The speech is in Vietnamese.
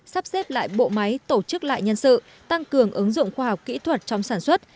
sắp xếp lại bộ máy tổ chức lại nhân sự tăng cường ứng dụng khoa học kỹ thuật trong sản xuất